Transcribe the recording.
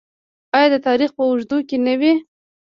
آیا د تاریخ په اوږدو کې نه وي؟